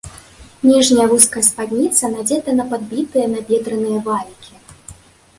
Ніжняя вузкая спадніца надзета на падбітыя набедраныя валікі.